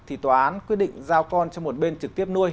thì tòa án quyết định giao con cho một bên trực tiếp nuôi